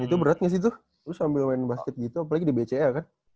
itu berat gak sih tuh sambil main basket gitu apalagi di bca kan